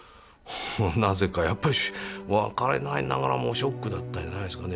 なぜかやっぱし分からないながらもショックだったんじゃないですかね。